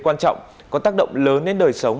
quan trọng có tác động lớn đến đời sống